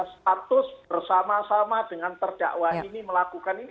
status bersama sama dengan terdakwa ini melakukan ini